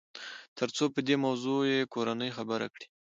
تر څو په دې موضوع يې کورنۍ خبره کړي.